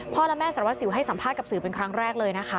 และแม่สารวัสสิวให้สัมภาษณ์กับสื่อเป็นครั้งแรกเลยนะคะ